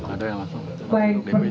ada yang masuk